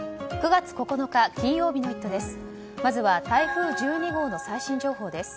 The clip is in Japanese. ９月９日、金曜日の「イット！」です。